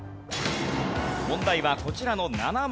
問題はこちらの７問。